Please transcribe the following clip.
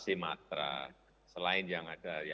terima kasih kepada bapak presiden republik indonesia